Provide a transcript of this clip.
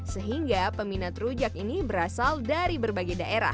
sehingga peminat rujak ini berasal dari berbagai daerah